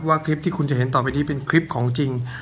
คลิปที่คุณจะเห็นต่อไปนี้เป็นคลิปของจริง